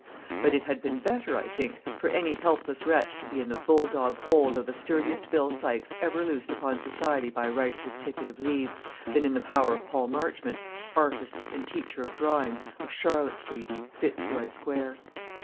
But it had been better, I think, for any helpless wretch to be in the bull dog hold of the sturdiest Bill Sykes ever loosed upon society by right of his ticket of leave, than in the power of Paul Marchmont, artist and teacher of drawing, of Charlotte Street, Fitzroy Square.